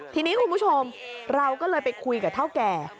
ทีนี้คุณผู้ชมเราก็เลยไปคุยกับเท่าแก่